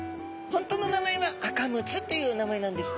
本当の名前はアカムツという名前なんです。